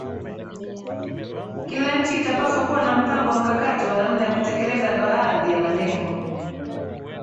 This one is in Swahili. Kila nchi itapaswa kuwa na mpango mkakati wa namna ya kutekeleza baadhi ya malengo